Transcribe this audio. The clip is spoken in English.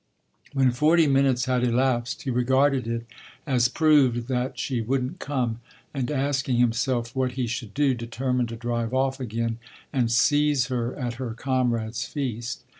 When forty minutes had elapsed he regarded it as proved that she wouldn't come, and, asking himself what he should do, determined to drive off again and seize her at her comrade's feast.